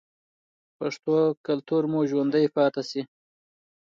پښتو کلتور مو ژوندی پاتې شي.